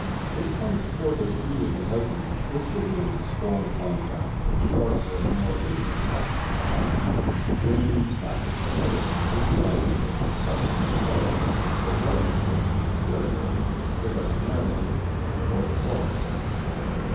It points toward a degree of enlightenment which will be in strong contrast with the darker and more ignorant epochs of time, when the practice of medicine was united with the profession of the barber, the well digger, the farrier, the veterinarian or the coroner.